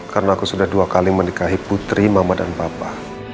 karena aku sudah dua kali menikahi putri mama dan papa